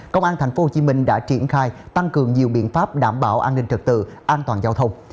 công an tp hcm đã triển khai tăng cường nhiều biện pháp đảm bảo an ninh trật tự an toàn giao thông